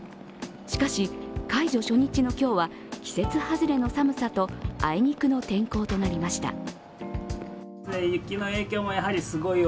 しかし、解除初日の今日は季節外れの寒さとあいにくの天候となりました。